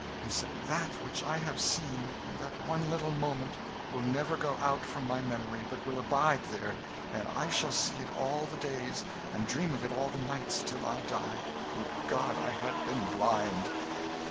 He said, "That which I have seen, in that one little moment, will never go out from my memory, but will abide there; and I shall see it all the days, and dream of it all the nights, till I die. Would God I had been blind!"